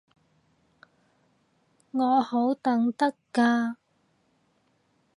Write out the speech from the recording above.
我好等得㗎